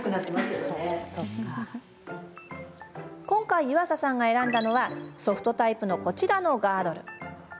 今回、湯浅さんが選んだのはソフトタイプのこちらのガードル。